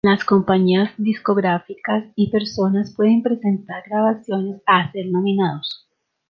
Las compañías discográficas y personas pueden presentar grabaciones a ser nominados.